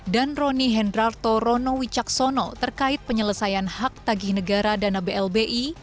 dan roni hendrarto rono wicaksono terkait penyelesaian hak tagih negara dana blbi